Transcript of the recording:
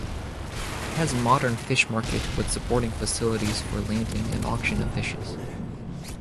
It has modern fish market with supporting facilities for landing and auction of fishes.